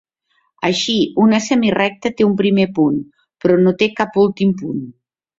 Així, una semirecta té un primer punt, però no té cap últim punt.